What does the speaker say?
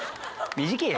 短えよ。